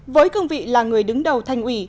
với cương vị là người đứng đầu thành ủy